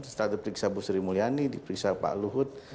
setelah diperiksa bu sri mulyani diperiksa pak luhut